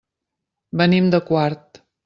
Venim de Quart.